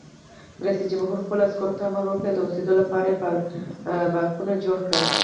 رئیس جمهور خپلو عسکرو ته امر وکړ؛ د اوسېدو لپاره بارکونه جوړ کړئ!